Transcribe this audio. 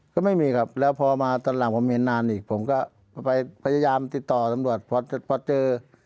ก็ไม่มีครับแล้วฟ้ามาตล่ำเหมือนอันนี้กรมก็ไปพยายามติดต่อจนกว่าความป้องเจอ